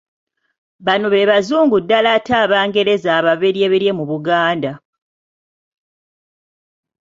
Bano be Bazungu ddala ate Abangereza ababeryeberye mu Buganda.